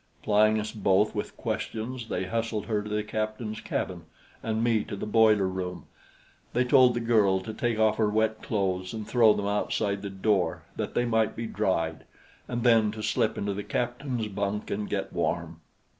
Plying us both with questions they hustled her to the captain's cabin and me to the boiler room. They told the girl to take off her wet clothes and throw them outside the door that they might be dried, and then to slip into the captain's bunk and get warm.